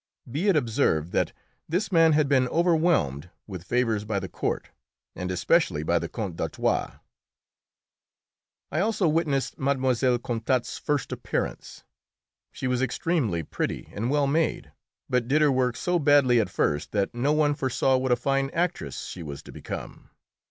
Be it observed that this man had been overwhelmed with favours by the court, and especially by the Count d'Artois. I also witnessed Mlle. Contat's first appearance. She was extremely pretty and well made, but did her work so badly at first that no one foresaw what a fine actress she was to become.